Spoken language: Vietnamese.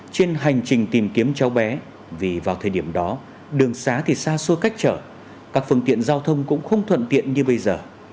trên hành trình tìm kiếm cháu bé vì vào thời điểm đó đường xá thì xa xôi cách trở các phương tiện giao thông cũng không thuận tiện như bây giờ